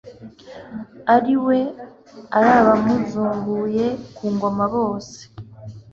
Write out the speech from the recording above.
ari we, ari n'abamuzunguye ku ngoma bose